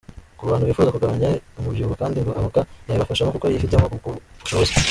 Ku bantu bifuza kugabanya umubyibuho kandi ngo avoka yabibafashamo kuko yifitemo ubwo bushobozi.